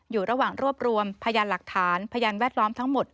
อยู่ระหว่างรวบรวมพยานหลักฐานพยานแวดล้อมทั้งหมด